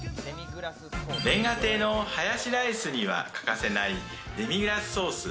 煉瓦亭のハヤシライスには欠かせないデミグラスソース。